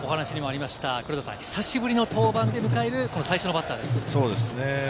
久しぶりの登板で迎える最初のバッターですね。